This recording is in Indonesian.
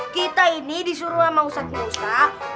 kita ini disuruh sama ustadz ustadz